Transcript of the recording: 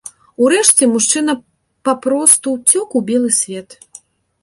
Урэшце мужчына папросту ўцёк у белы свет.